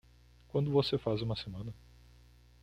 Quanto você faz uma semana?